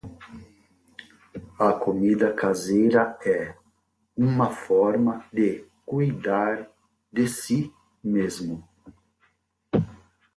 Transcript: A comida caseira é uma forma de cuidar de si mesmo.